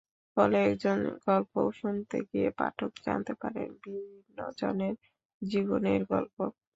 ফলে একজনের গল্প শুনতে গিয়ে পাঠক জানতে পারেন বিভিন্নজনের জীবনের নানা গল্প।